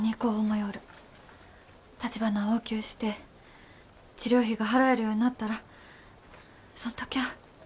たちばなを大きゅうして治療費が払えるようになったらそん時ゃあ。